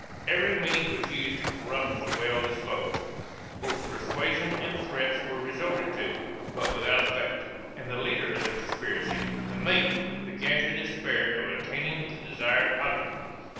Every means were used to corrupt the well disposed; both persuasion and threats were resorted to, but without effect, and the leader of the conspiracy, the mate, began to despair of obtaining the desired object.